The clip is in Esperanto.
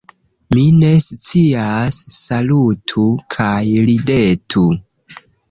Mi ne scias. Salutu kaj ridetu...